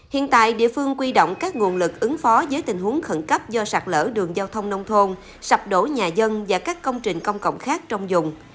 hiện tại địa phương quy động các nguồn lực ứng phó với tình huống khẩn cấp do sạt lở đường giao thông nông thôn sập đổ nhà dân và các công trình công cộng khác trong dùng